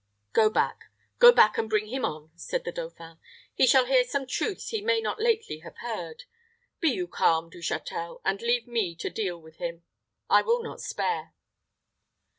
"Go back go back, and bring him on," said the dauphin. "He shall hear some truths he may not lately have heard. Be you calm, Du Châtel, and leave me to deal with him. I will not spare."